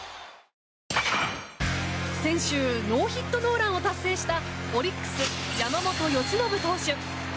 先週ノーヒットノーランを達成したオリックス、山本由伸投手。